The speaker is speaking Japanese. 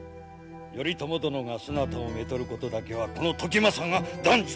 頼朝殿がそなたをめとることだけはこの時政が断じて許さぬ！